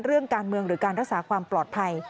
เรื่องการเมืองหรือการรักษาความปลอดภัย